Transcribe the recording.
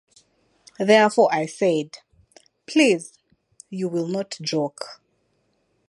Therefore I said: 'Please, you will not joke.